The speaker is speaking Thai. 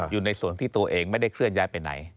อยู่ในส่วนที่ตัวเองไม่ได้เคลื่อนย้ายไปไหน